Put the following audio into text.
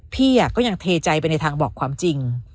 พี่ก็ยังเทใจไปในทางบอกความจริง